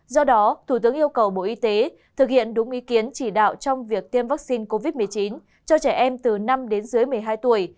do đó thủ tướng yêu cầu bộ y tế thực hiện đúng ý kiến chỉ đạo trong việc tiêm vaccine covid một mươi chín cho trẻ em từ năm đến sáu tuổi